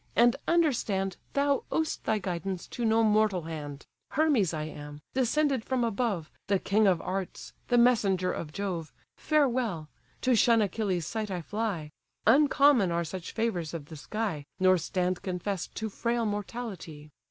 and understand Thou ow'st thy guidance to no mortal hand: Hermes I am, descended from above, The king of arts, the messenger of Jove, Farewell: to shun Achilles' sight I fly; Uncommon are such favours of the sky, Nor stand confess'd to frail mortality.